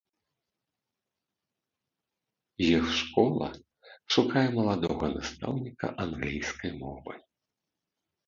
Іх школа шукае маладога настаўніка англійскай мовы.